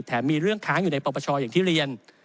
แถมมีเรื่องค้างอยู่ในปรับประชาอย่างที่เรียน